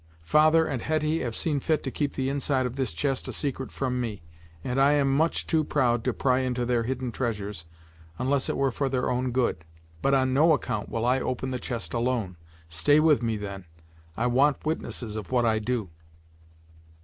Father and Hetty have seen fit to keep the inside of this chest a secret from me, and I am much too proud to pry into their hidden treasures unless it were for their own good. But on no account will I open the chest alone. Stay with me, then; I want witnesses of what I do."